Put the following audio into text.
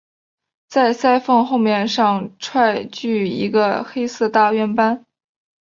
在鳃缝后面上端据一个黑色大圆斑。